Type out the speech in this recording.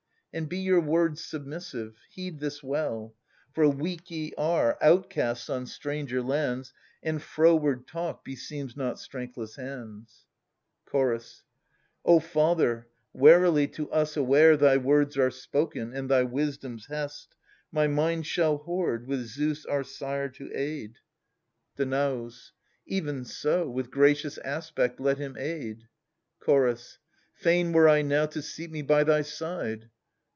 And be your words submissive : heed this well ; For weak ye are, outcasts on stranger lands. And froward talk beseems not strengthless hands. O father, 'wearily to us aware Thy words are spoken, and thy wisdom's hest My mind shall hoard, with Zeus our sire to aid. THE SUPPLIANT MAIDENS. Danaus. Even so — with gracious aspect let him aid Li0^. Chorus. Fain were I now to seat me by thy side.